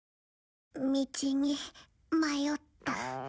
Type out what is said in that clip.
道に迷った。